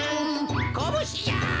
こぶしじゃ！